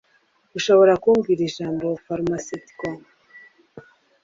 Urashobora kumbwira Ijambo "Pharmaceutical"?